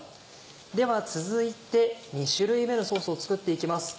では続いて２種類目のソースを作って行きます。